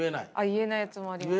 言えないやつもありますね。